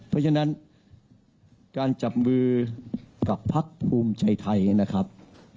เพราะฉะนั้นการจับมือกับพักภูมิใจไทยนะครับ